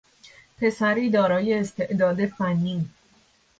پسری دارای استعداد فنی